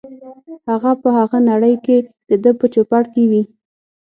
هغه په هغه نړۍ کې دده په چوپړ کې وي.